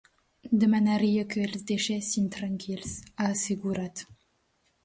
Demanaria que els deixessin tranquils, ha assegurat.